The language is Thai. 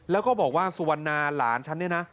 แล้วก็บอกว่าสุวรรณาหลานฉันเนี่ยนะ